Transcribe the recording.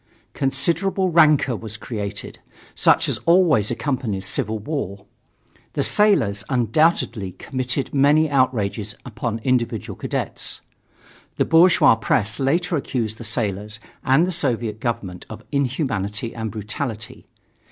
Considerable rancor was created, such as always accompanies civil war. The sailors undoubtedly committed many outrages upon individual cadets. The bourgeois press later accused the sailors and the Soviet government of inhumanity and brutality.